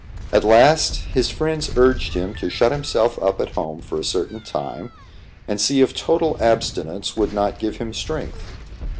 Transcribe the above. At last, his friends urged him to shut himself up at home for a certain time, and see if total abstinence would not give him strength.